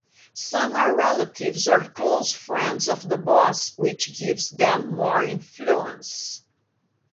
Some are relatives or close friends of the boss, which gives them more influence.